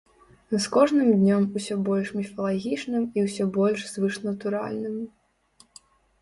З кожным днём усё больш міфалагічным і ўсё больш звышнатуральным.